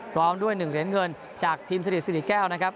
พร้อมด้วย๑เหรียญเงินจากพิมพ์สิริสิริแก้วนะครับ